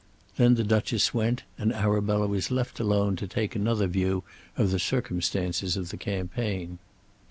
Then the Duchess went, and Arabella was left alone to take another view of the circumstances of the campaign.